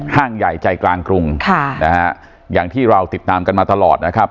ห้างใหญ่ใจกลางกรุงค่ะนะฮะอย่างที่เราติดตามกันมาตลอดนะครับ